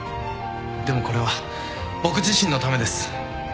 でもこれは僕自身のためです。